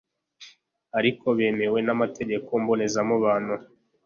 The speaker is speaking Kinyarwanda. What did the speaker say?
ariko bemewe n'amategeko mbonezamubano